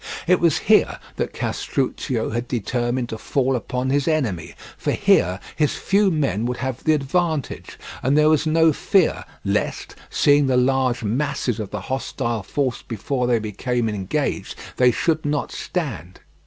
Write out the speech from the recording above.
It was here that Castruccio had determined to fall upon his enemy, for here his few men would have the advantage, and there was no fear lest, seeing the large masses of the hostile force before they became engaged, they should not stand.